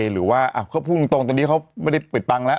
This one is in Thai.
หรือว่าเขาพูดตรงตอนนี้เขาไม่ได้ปิดตังค์แล้ว